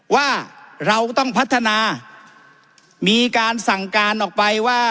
ว่าเราต้องพัฒนามีการสั่งการออกไปว่า